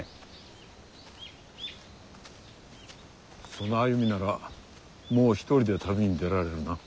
その歩みならもう一人で旅に出られるな。